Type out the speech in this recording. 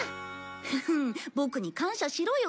フフンボクに感謝しろよ？